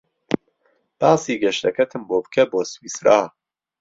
باسی گەشتەکەتم بۆ بکە بۆ سویسرا.